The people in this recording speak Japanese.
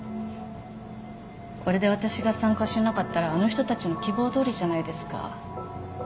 これで私が参加しなかったらあの人たちの希望どおりじゃないですか。